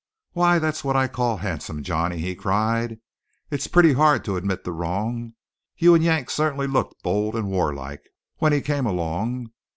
"Why, that's what I call handsome, Johnny!" he cried. "It's pretty hard to admit the wrong. You and Yank certainly looked bold and warlike when he came along.